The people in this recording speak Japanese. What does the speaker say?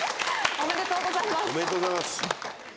・おめでとうございます。